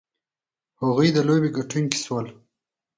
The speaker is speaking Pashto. هغوی د لوبې ګټونکي شول.